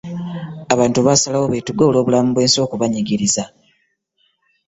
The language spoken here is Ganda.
Abantu basalawo betuge olwobulamu bwensi okubaginyiriza .